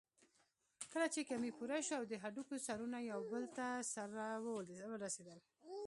کله چې کمى پوره شو او د هډوکي سرونه يو بل ته سره ورسېدل.